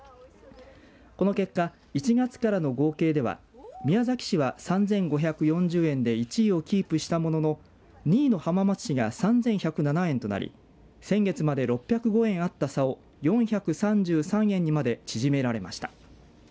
この結果、１月からの合計では宮崎市は３５４０円で１位をキープしたものの２位の浜松市が３１０７円となり先月まで６０５円あった差を４３３円にまで縮められました。